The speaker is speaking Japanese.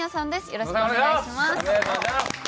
よろしくお願いします。